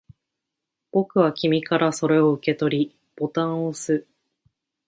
僕は君からそれを受け取り、ボタンを押す